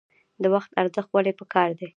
د وخت ارزښت ولې پکار دی؟